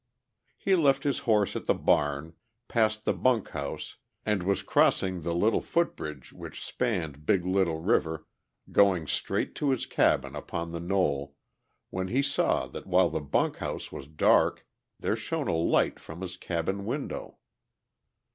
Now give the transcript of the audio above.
He left his horse at the barn, passed the bunk house and was crossing the little footbridge which spanned Big Little River, going straight to his cabin upon the knoll, when he saw that while the bunk house was dark there shone a light from his cabin window.